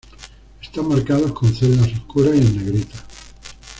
Están marcados con celdas oscuras y en negrita.